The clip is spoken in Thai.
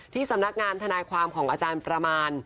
สำนักงานทนายความของอาจารย์ประมาณ